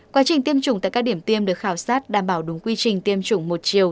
quá trình tiêm chủng tại các điểm tiêm được khảo sát đảm bảo đúng quy trình tiêm chủng một chiều